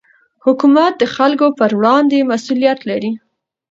حکومت د خلکو پر وړاندې مسوولیت لري